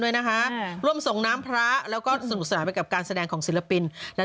เอ้าไปกลางคืนมั้ย